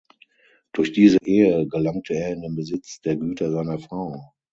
Durch diese Ehe gelangte er in den Besitz der Güter seiner Frau.